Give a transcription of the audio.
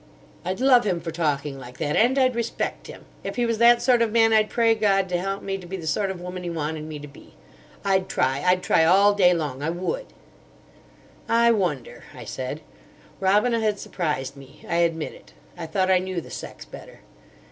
"I'd love him for talking like that. And I'd respect him. If he was that sort of man I'd pray God to help me to be the sort of woman he wanted me to be. I'd try. I'd try all day long. I would!" "I wonder," I said. Robina had surprised me. I admit it. I thought I knew the sex better.